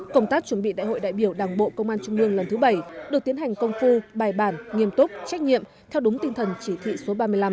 công tác chuẩn bị đại hội đại biểu đảng bộ công an trung ương lần thứ bảy được tiến hành công phu bài bản nghiêm túc trách nhiệm theo đúng tinh thần chỉ thị số ba mươi năm